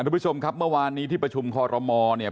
ทุกผู้ชมครับเมื่อวานนี้ที่ประชุมคอรมอลเนี่ย